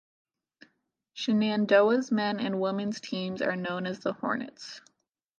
Shenandoah's men's and women's teams are known as the Hornets.